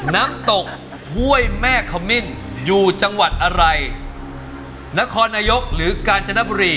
น้ำตกห้วยแม่ขมิ้นอยู่จังหวัดอะไรนครนายกหรือกาญจนบุรี